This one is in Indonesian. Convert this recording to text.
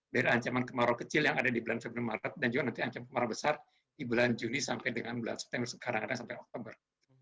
dari ancaman kemarau kecil yang ada di bulan februari maret dan juga nanti ancaman kemarau besar di bulan juni sampai dengan bulan september sekarang kadang sampai oktober